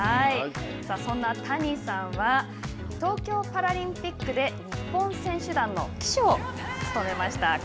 そんな谷さんは東京パラリンピックで日本選手団の旗手を務めました。